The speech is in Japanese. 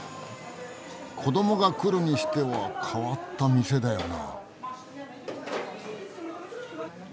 子どもが来るにしては変わった店だよなあ。